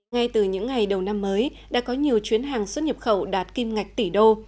ngay từ những ngày đầu năm mới đã có nhiều chuyến hàng xuất nhập khẩu đạt kim ngạch tỷ đô